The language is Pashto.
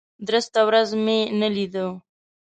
درسته ورځ مې نه لیدو.